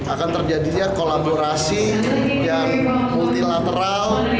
akan terjadinya kolaborasi yang multilateral